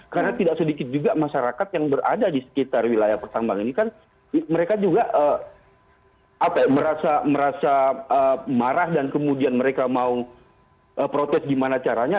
karena tidak sedikit juga masyarakat yang berada di sekitar wilayah pertambangan ini kan mereka juga merasa marah dan kemudian mereka mau protes gimana caranya